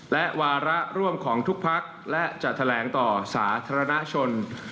และวาระร่วมของทุกพักและจะแถลงต่อสาธารณชน